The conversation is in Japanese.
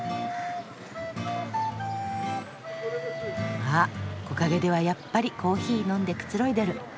あ木陰ではやっぱりコーヒー飲んでくつろいでる。